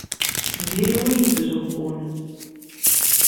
Diri win yettzuxxun.